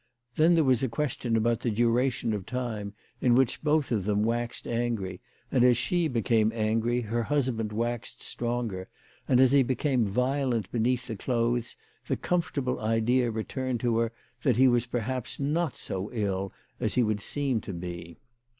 Then there was a question about the duration of time, in which both of them waxed angry, and as she became angry her hus band waxed stronger, and as he became violent beneath the clothes the comfortable idea returned to her that he was not perhaps so ill as he would seem to be.